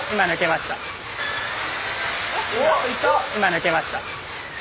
今抜けました。